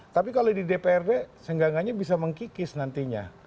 tapi kalau di dprd seenggak enggaknya bisa mengkikis nantinya